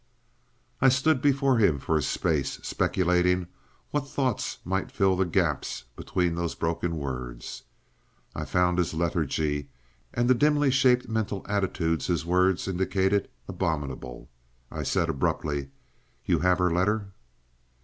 I stood before him for a space, speculating what thoughts might fill the gaps between these broken words. I found his lethargy, and the dimly shaped mental attitudes his words indicated, abominable. I said abruptly, "You have her letter?"